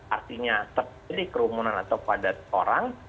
artinya terjadi kerumunan atau padat orang